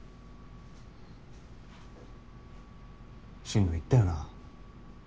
心野言ったよな。